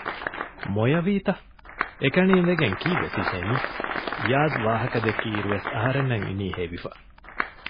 މޮޔަވީތަ؟ އެކަނި އިނދެގެން ކީއްވެ ތި ހެނީ؟ އިޔާޒް ވާހަކަ ދެއްކި އިރުވެސް އަހަރެންނަށް އިނީ ހެވިފަ